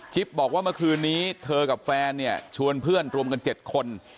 บอกว่าเมื่อคืนนี้เธอกับแฟนเนี่ยชวนเพื่อนรวมกัน๗คน